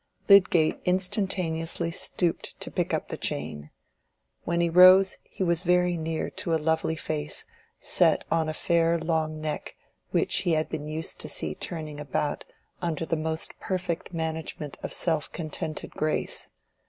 Lydgate instantaneously stooped to pick up the chain. When he rose he was very near to a lovely little face set on a fair long neck which he had been used to see turning about under the most perfect management of self contented grace.